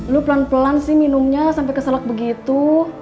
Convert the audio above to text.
lu pelan pelan sih minumnya sampai keselak begitu